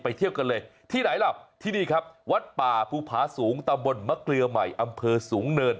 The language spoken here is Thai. เที่ยวกันเลยที่ไหนล่ะที่นี่ครับวัดป่าภูผาสูงตำบลมะเกลือใหม่อำเภอสูงเนิน